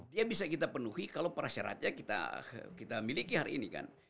dia bisa kita penuhi kalau persyaratnya kita miliki hari ini kan